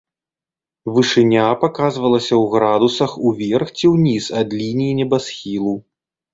Вышыня паказвалася ў градусах уверх ці ўніз ад лініі небасхілу.